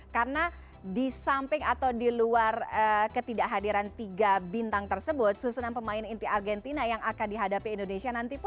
karena di samping atau di luar ketidakhadiran tiga bintang tersebut susunan pemain inti argentina yang akan dihadapi indonesia nanti pun juga diperadakan